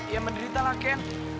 ya menderita lah ken